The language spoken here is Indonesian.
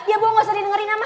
ya gue gak usah dengerin nama